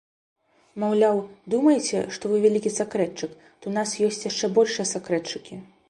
Маўляў, думаеце, што вы вялікі сакрэтчык, то ў нас ёсць яшчэ большыя сакрэтчыкі.